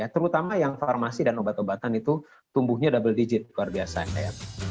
tapi saya yang farmasi dan obat obatan itu tumbuhnya dua digit luar biasa ya